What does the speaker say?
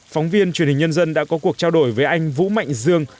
phóng viên truyền hình nhân dân đã có cuộc trao đổi với anh vũ mạnh dương